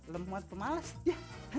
lemot pemalas ya